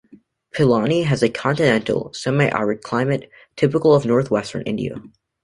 Pilani has a continental, semi-arid climate, typical of North Western India.